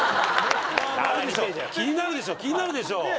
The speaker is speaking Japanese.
気になるでしょ？